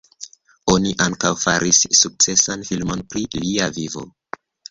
Oni ankaŭ faris sukcesan filmon pri lia vivo.